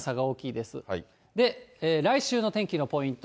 で、来週の天気のポイント。